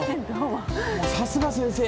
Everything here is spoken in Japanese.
もうさすが先生。